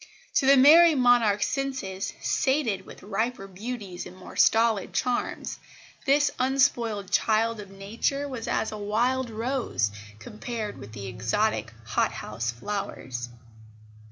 To the "Merrie Monarch's" senses, sated with riper beauties and more stolid charms, this unspoiled child of nature was as a wild rose compared with exotic hot house flowers.